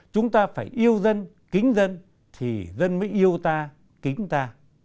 chúng ta phải yêu dân kính dân thì dân mới yêu ta kính ta